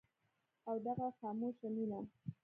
او دغه خاموشه مينه